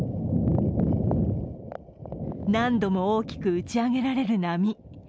何度も大きく打ち上げられる波。